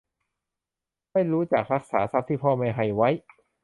ไม่รู้จักรักษาทรัพย์ที่พ่อแม่ให้ไว้